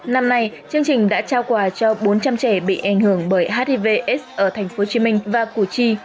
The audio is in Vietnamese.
năm nay chương trình đã trao quà cho bốn trăm linh trẻ bị ảnh hưởng bởi hivs ở tp hcm và củ chi